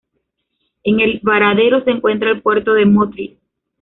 En El Varadero se encuentra el Puerto de Motril.